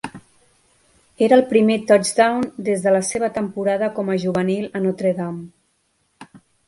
Era el primer touchdown des de la seva temporada com a juvenil a Notre Dame.